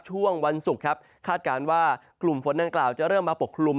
ช่วงวันศุกร์ครับคาดการณ์ว่ากลุ่มฝนดังกล่าวจะเริ่มมาปกคลุม